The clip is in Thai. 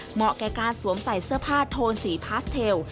แก่การสวมใส่เสื้อผ้าโทนสีพาสเทล